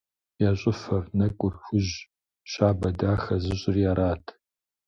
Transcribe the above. Я щӏыфэр, нэкӏур хужь, щабэ, дахэ зыщӏри арат.